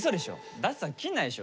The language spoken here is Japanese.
舘さん切んないでしょ？